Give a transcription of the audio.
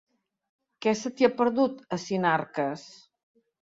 Què se t'hi ha perdut, a Sinarques?